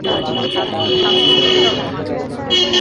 কাটা ঘায়ে নুনের ছিটা দিচ্ছে!